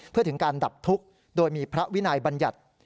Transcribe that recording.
เพื่อถึงการดับทุกข์โดยมีพระวินัยบัญญัติ